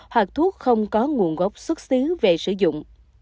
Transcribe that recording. hoặc thuốc không có nguồn gốc xuất xứ về sử dụng